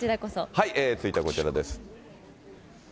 続いてはこちらです。